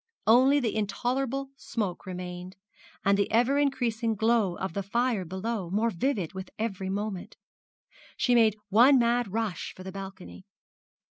Only the intolerable smoke remained, and the ever increasing glow of the fire below, more vivid with every moment. She made one mad rush for the balcony.